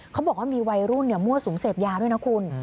เขาบอกว่ามีวัยรุ่นมั่วสุมเสพยาด้วยนะคุณ